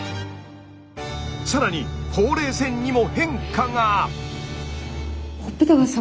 更にほうれい線にも変化が！